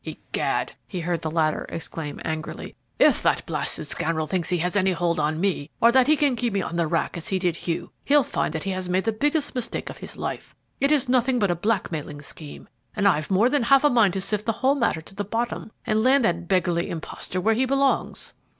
"Egad!" he heard the latter exclaim, angrily, "if that blasted scoundrel thinks he has any hold on me, or that he can keep me on the rack as he did Hugh, he'll find he has made the biggest mistake of his life. It is nothing but a blackmailing scheme, and I've more than half a mind to sift the whole matter to the bottom and land that beggarly impostor where he belongs."